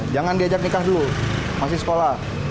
jangan diajak nikah dulu masih sekolah